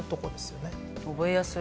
覚えやすい。